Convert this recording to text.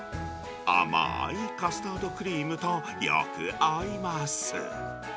甘いカスタードクリームとよく合います。